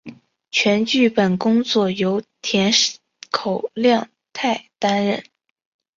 全剧本工作由山口亮太担任。